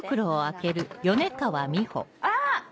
あっ！